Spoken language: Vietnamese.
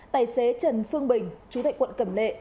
tài xế trần phương bình chú tại quận cẩm lệ